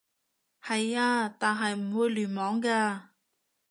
係啊，但係唔會聯網嘅